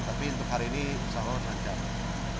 tapi untuk hari ini insya allah sangat jauh